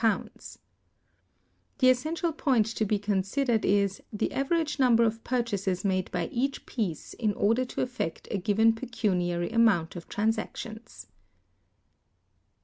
[The essential point to be considered is] the average number of purchases made by each piece in order to affect a given pecuniary amount of transactions.